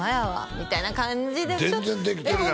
みたいな感じで全然できてるやろ！